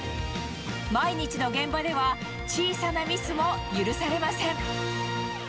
毎日の現場では小さなミスも許されません。